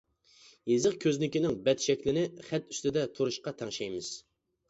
يېزىق كۆزنىكىنىڭ بەت شەكلىنى خەت ئۈستىدە تۇرۇشقا تەڭشەيمىز.